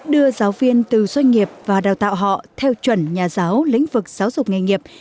đưa giáo viên từ doanh nghiệp và đào tạo họ theo chuẩn nhà giáo lĩnh vực giáo dục nghề nghiệp